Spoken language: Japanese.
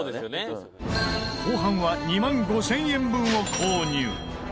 後半は２万５０００円分を購入。